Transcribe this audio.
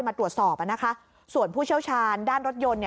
มาตรวจสอบส่วนผู้เชี่ยวชาญด้านรถยนต์เนี่ย